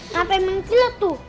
ngapain mingkir tuh